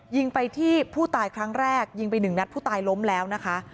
ยิงไปที่ผู้ตายครั้งแรกยิงไปหนึ่งนัดผู้ตายล้มแล้วนะคะ